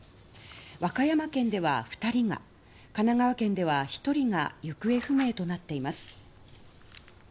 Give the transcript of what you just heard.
和歌山県では２人が神奈川県では１人が行方不明となっています。